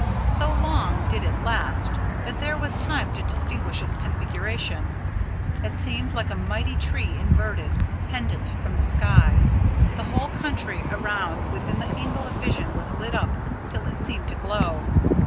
So long did it last, that there was time to distinguish its configuration. It seemed like a mighty tree inverted, pendent from the sky. The whole country around within the angle of vision was lit up till it seemed to glow.